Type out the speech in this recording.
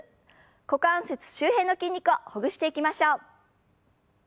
股関節周辺の筋肉をほぐしていきましょう。